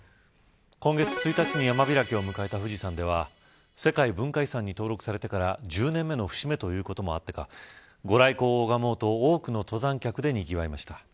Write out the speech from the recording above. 今月１日に山開きを迎えた富士山では世界文化遺産に登録されてから１０年目の節目ということもあってかご来光を拝もうと多くの登山客でにぎわいました。